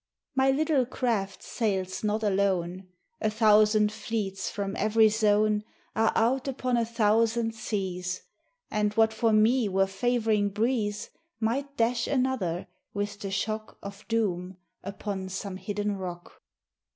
My little craft sails not alone: A thousand fleets from every zone Are out upon a thousand seas; And what for me were favoring breeze Might dash another, with the shock Of doom, upon some hidden rock.